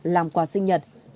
làm quà sinh nhật